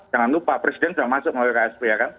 jangan lupa presiden sudah masuk melalui ksp